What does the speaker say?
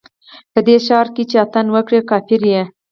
په دې ښار کښې چې اتڼ وکړې، کافر يې